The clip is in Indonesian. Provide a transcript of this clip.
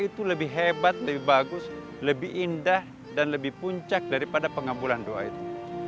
itu lebih hebat lebih bagus lebih indah dan lebih puncak daripada pengambulan doa itu